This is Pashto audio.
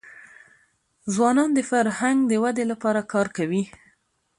ځوانان د فرهنګ د ودي لپاره کار کوي.